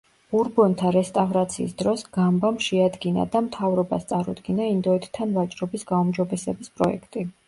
ბურბონთა რესტავრაციის დროს გამბამ შეადგინა და მთავრობას წარუდგინა ინდოეთთან ვაჭრობის გაუმჯობესების პროექტი.